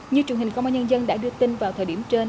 như truyền hình công an nhân dân đã đưa tin vào thời điểm trên